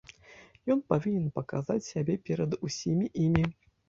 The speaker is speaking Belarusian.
Ён павінен паказаць сябе перад усімі імі.